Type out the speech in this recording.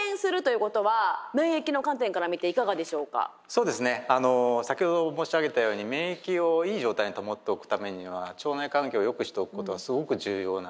そうですね先ほど申し上げたように免疫をいい状態に保っておくためには腸内環境をよくしておくことはすごく重要なんですね。